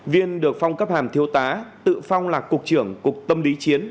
viên được phong cấp hàm thiếu tá tự phong là cục trưởng cục tâm lý chiến